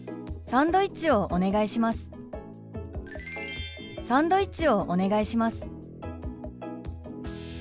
「サンドイッチ」。